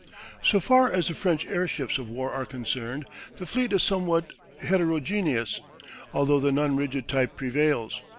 So far as the French airships of war are concerned, the fleet is somewhat heterogeneous, although the non rigid type prevails.